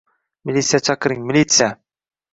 — Militsiya chaqiring, militsiya!